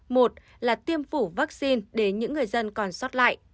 một là tiêm phủ vaccine đến những người dân còn sót lại